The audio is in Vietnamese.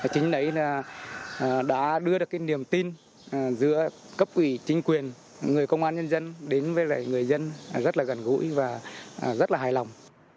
chính đấy đã đưa được cái niềm tin giữa cấp ủy chính quyền người công an nhân dân đến với người dân rất là gần gũi và rất là hài lòng